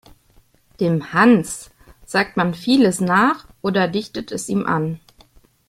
Dem "Hans" sagt man vieles nach oder dichtet es ihm an.